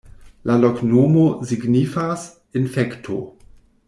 La loknomo signifas: infekto.